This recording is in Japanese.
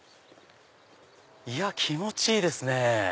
気持ちいいですね！